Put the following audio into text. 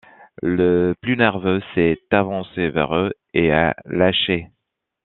le plus nerveux s'est avancé vers eux et a lâché.